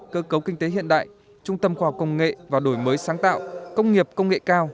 cơ cấu kinh tế hiện đại trung tâm khoa học công nghệ và đổi mới sáng tạo công nghiệp công nghệ cao